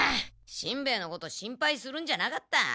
しんべヱのこと心配するんじゃなかった。